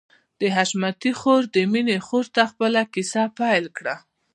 د حشمتي خور د مينې خور ته خپله کيسه پيل کړه.